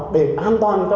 để an toàn cho